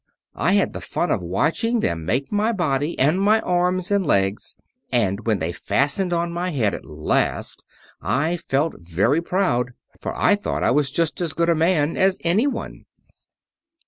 I had the fun of watching them make my body and my arms and legs; and when they fastened on my head, at last, I felt very proud, for I thought I was just as good a man as anyone.